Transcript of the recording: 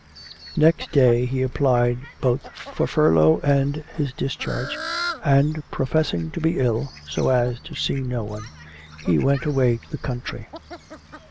Next day he applied both for furlough and his discharge, and professing to be ill, so as to see no one, he went away to the country.